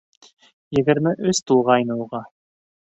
— Егерме өс тулғайны уға.